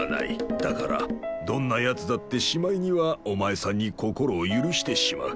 だからどんなやつだってしまいにはお前さんに心を許してしまう。